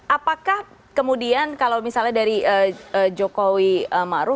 apakah kemudian kalau misalnya dari jokowi maru